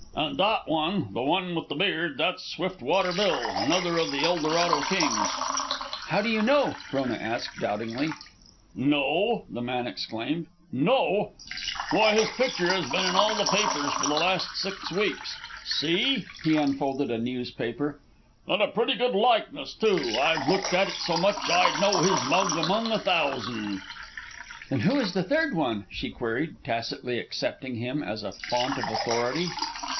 "And that one, the one with the beard, that's Swiftwater Bill, another of the Eldorado kings." "How do you know?" Frona asked, doubtingly. "Know!" the man exclaimed. "Know! Why his picture has been in all the papers for the last six weeks. See!" He unfolded a newspaper. "And a pretty good likeness, too. I've looked at it so much I'd know his mug among a thousand." "Then who is the third one?" she queried, tacitly accepting him as a fount of authority.